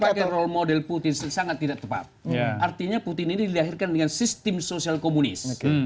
kalau kita pakai role model putin sangat tidak tepat artinya putin ini didahirkan dengan sistem sosial komunis